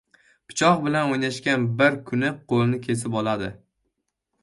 • Pichoq bilan o‘ynashgan bir kuni qo‘lini kesib oladi.